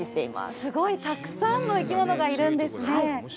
すごいたくさんの生き物がいるんですね。